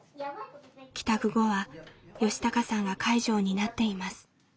帰宅後は良貴さんが介助を担っています。